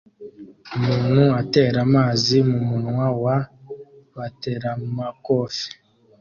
Umuntu atera amazi mumunwa wa bateramakofe